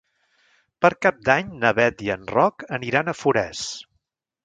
Per Cap d'Any na Beth i en Roc aniran a Forès.